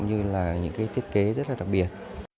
cũng như là những thiết kế rất đặc biệt